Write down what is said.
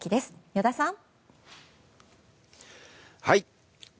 依田さん。